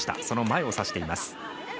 その前をさしています。